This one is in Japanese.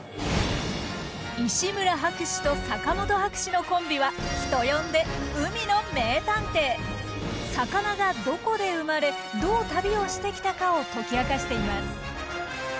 石村博士と坂本博士のコンビは人呼んで魚がどこで生まれどう旅をしてきたかを解き明かしています。